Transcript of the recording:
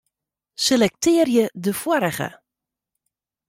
Selektearje de foarige.